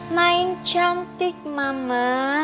main cantik mama